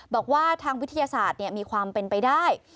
บอกว่าทางวิทยาศาสตร์มีความเป็นไปได้